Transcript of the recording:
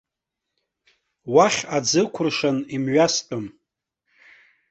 Уахь аӡы ықәыршан имҩастәым.